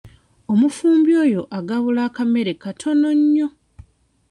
Omufumbi oyo agabula akamere katono nnyo.